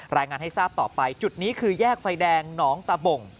รายงานให้ทราบต่อไปจุดนี้คือแยกไฟแดงหนองตะบ่ง